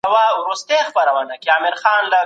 څنګه د ذهن د ارامتیا لپاره پوره خوب وکړو؟